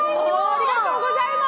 ありがとうございます！